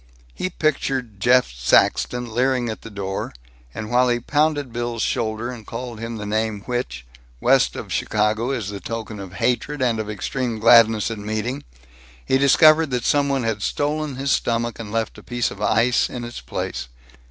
He pictured Jeff Saxton leering at the door, and while he pounded Bill's shoulder, and called him the name which, west of Chicago, is the token of hatred and of extreme gladness at meeting, he discovered that some one had stolen his stomach and left a piece of ice in its place.